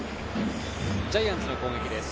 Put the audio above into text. ジャイアンツの攻撃です。